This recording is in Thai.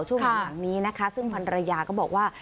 ช่วงหลังนี้นะคะซึ่งพันรยาก็บอกว่า